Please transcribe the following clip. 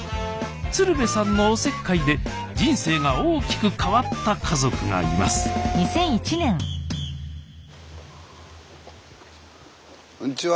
鶴瓶さんのおせっかいで人生が大きく変わった家族がいますこんちは。